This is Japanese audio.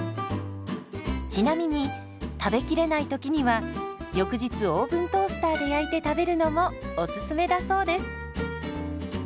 ちなみに食べきれないときには翌日オーブントースターで焼いて食べるのもおすすめだそうです。